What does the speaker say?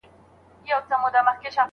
ازاد انسان مه پلورئ او مه يې رانيسئ.